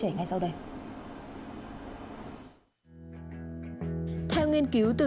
theo nghiên cứu từ những nhà trẻ trẻ có thể gây ra các vấn đề ở trẻ